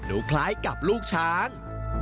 คล้ายกับลูกช้าง